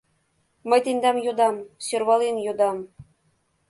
Мый тендам йодам, сӧрвален йодам!